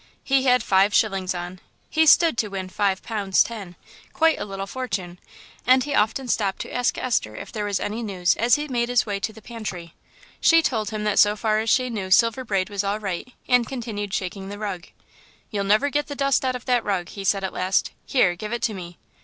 He had five shillings on; he stood to win five pounds ten quite a little fortune and he often stopped to ask Esther if there was any news as he made his way to the pantry. She told him that so far as she knew Silver Braid was all right, and continued shaking the rug. "You'll never get the dust out of that rug," he said at last, "here, give it to me."